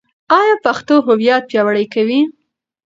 ایا پښتو هویت پیاوړی کوي؟